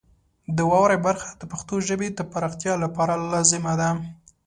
د واورئ برخه د پښتو ژبې د پراختیا لپاره لازمه ده.